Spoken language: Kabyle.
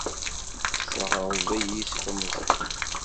Tesseɣreḍ-iyi si temẓi-w!